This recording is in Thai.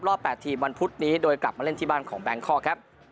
๘ทีมวันพุธนี้โดยกลับมาเล่นที่บ้านของแบงคอกครับ